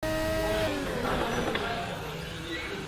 ځم د جنون په زولنو کي به لیلا ووینم !.